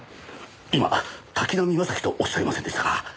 今滝浪正輝とおっしゃいませんでしたか？